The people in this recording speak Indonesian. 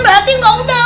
berarti gak udah